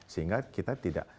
sehingga kita tidak